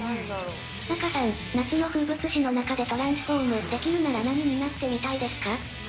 仲さん、夏の風物詩の中でトランスフォームできるなら、何になってみたいですか？